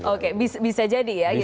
oke bisa jadi ya gitu ya